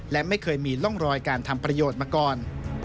และไม่เคยมีร่องรอยการทำประโยชน์มาก่อน